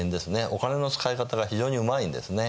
お金の使い方が非常にうまいんですね。